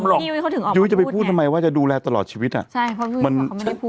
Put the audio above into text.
หรือจะไปพูดทำไมว่าจะดูแลตลอดชีวิตอ่ะ